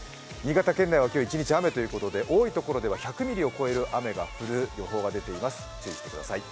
新潟県内は今日一日雨ということで多いところでは１００ミリを超える雨が降るということで注意してください。